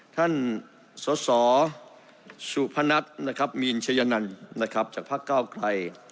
ท่านสศสุพนักมีนเชยนนจากภาคเก้าไกล